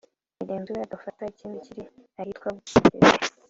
mugenzi we agafata ikindi kiri ahitwa Bukerere